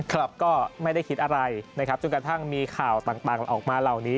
ครับก็ไม่ได้คิดอะไรนะครับจนกระทั่งมีข่าวต่างออกมาเหล่านี้